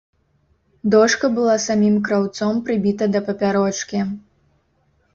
Дошка была самім краўцом прыбіта да папярочкі.